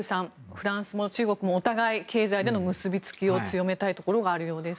フランスも中国もお互い経済での結びつきを強めたいところがあるようです。